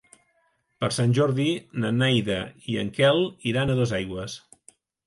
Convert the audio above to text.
Per Sant Jordi na Neida i en Quel iran a Dosaigües.